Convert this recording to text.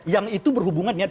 yang itu berhubungannya